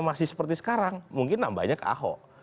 masih seperti sekarang mungkin nambahnya ke ahok